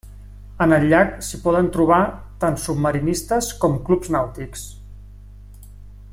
En el llac s'hi poden trobar tant submarinistes com clubs nàutics.